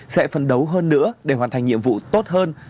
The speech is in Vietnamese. sẽ phấn đấu hơn nữa để hoàn thành nhiệm vụ tốt hơn